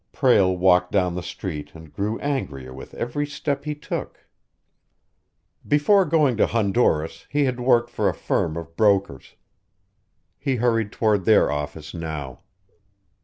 Prale walked down the street and grew angrier with every step he took. Before going to Honduras he had worked for a firm of brokers. He hurried toward their office now.